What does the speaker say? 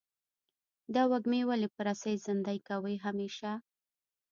دا وږمې ولې په رسۍ زندۍ کوې همیشه؟